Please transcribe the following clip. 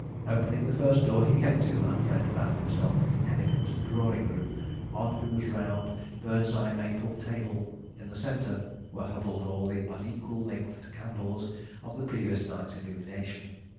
Opening the first door he came to, our friend found himself in the elegant drawing room, on whose round bird's eye maple table, in the centre, were huddled all the unequal lengthed candles of the previous night's illumination.